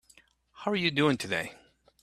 How are you doing today?